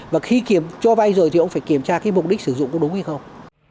và khi cho vay rồi thì ông phải kiểm tra cái mục đích sử dụng có đúng hay không